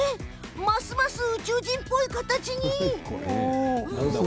ますます宇宙人っぽい形に。